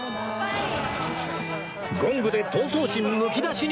ゴングで闘争心むき出しに！